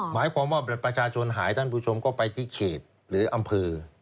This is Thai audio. หมายความว่าบัตรประชาชนหายท่านผู้ชมก็ไปที่เขตหรืออำเภอ